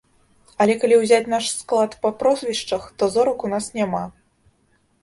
Але калі ўзяць наш склад па прозвішчах, то зорак у нас няма.